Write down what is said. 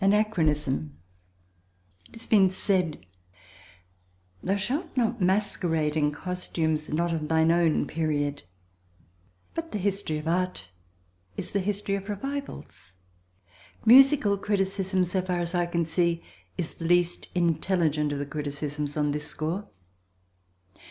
Anachronism It has been said "Thou shalt not masquerade in costumes not of thine own period," but the history of art is the history of revivals. Musical criticism, so far as I can see, is the least intelligent of the criticisms on this score.